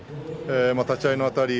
立ち合いのあたり